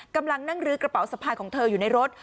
กำลังนั่งลื้อกระเป๋าสะพายของเธออยู่ในรถ